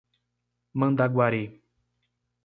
Mandaguari